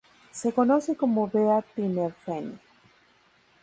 Se conoce como "bea tinerfeña".